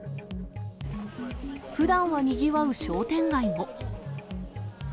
ふだんはにぎわう商店街も。